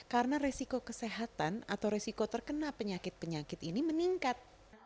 karena resiko kesehatan atau resiko terkena penyakit penyakit ini meningkat